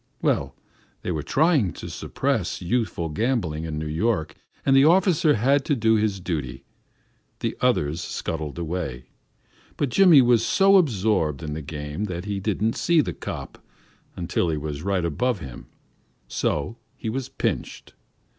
Well, they were trying to suppress youthful gambling in New York, and the officer had to do his duty. The others scuttled away, but Jimmy was so absorbed in the game that he didn't see the "cop" until he was right on him, so he was "pinched."